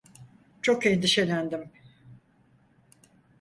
Çok endişelendim.